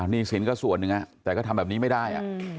หนี้สินก็ส่วนหนึ่งแต่ก็ทำแบบนี้ไม่ได้